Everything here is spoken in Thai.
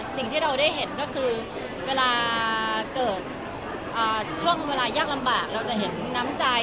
สิ่งที่เราได้เห็นก็คือเวลาเกิดช่วงเวลายากลำบากเราจะเห็นน้ำใจ